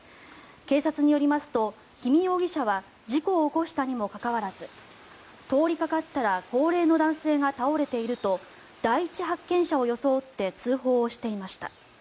警察によりますと氷見容疑者は事故を起こしたにもかかわらず通りかかったら高齢の男性が倒れていると第一発見者を装って通報をしていました。